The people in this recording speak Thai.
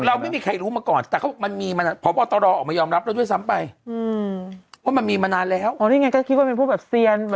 เราไม่มีใครรู้มาก่อนแต่เขาบอกมันมีมานาน